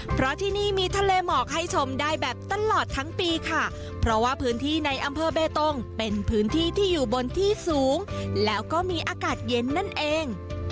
เพราะที่นี่มีทะเลหมอกให้ชมได้แบบตลอดทั้งปีค่ะเพราะว่าพื้นที่ในอำเภอเบตงเป็นพื้นที่ที่อยู่บนที่สูงแล้วก็มีอากาศเย็นนั่นเอง